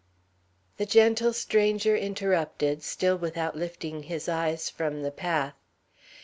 The gentle stranger interrupted, still without lifting his eyes from the path.